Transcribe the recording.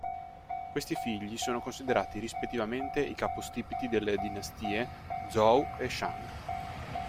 Questi figli sono considerati rispettivamente i capostipiti delle dinastie Zhou e Shang.